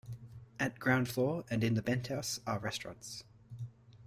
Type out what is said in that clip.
At ground floor and in the penthouse are restaurants.